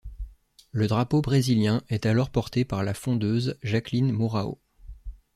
Le drapeau brésilien est alors porté par la fondeuse Jaqueline Mourão.